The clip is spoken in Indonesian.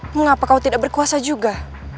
mengapa kau tidak berkuasa juga